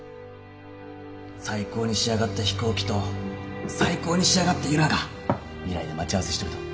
最高に仕上がった飛行機と最高に仕上がった由良が未来で待ち合わせしとると。